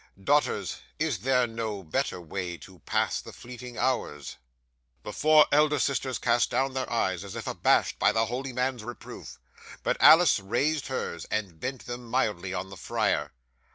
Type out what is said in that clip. Daughters, is there no better way to pass the fleeting hours?" 'The four elder sisters cast down their eyes as if abashed by the holy man's reproof, but Alice raised hers, and bent them mildly on the friar.